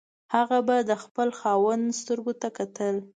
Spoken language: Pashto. هغه به د خپل خاوند سترګو ته کتل.